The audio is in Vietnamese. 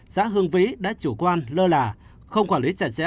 xã hương vĩ đã chủ quan lơ là không quản lý chặt chẽ